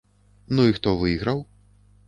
Ну і хто выйграў?